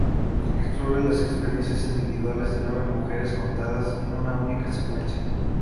Explora las experiencias individuales de nueve mujeres contadas en una única secuencia.